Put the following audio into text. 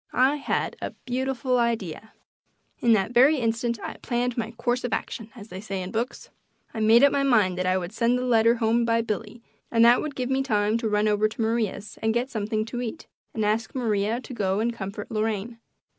I had a beautiful idea. In that very instant I "planned my course of action," as they say in books. I made up my mind that I would send the letter home by Billy, and that would give me time to run over to Maria's and get something to eat and ask Maria to go and comfort Lorraine.